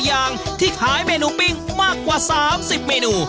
อย่างที่ขายเมนูปิ้งมากกว่า๓๐เมนู